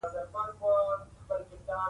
زمونږ ټول کور د هغه لپاره انديښمن وه.